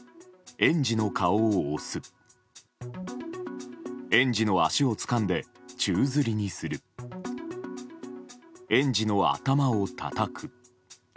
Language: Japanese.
園児の顔を押す園児の足をつかんで宙づりにする園児の頭をたたく。